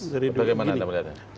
jadi bagaimana anda mengatakan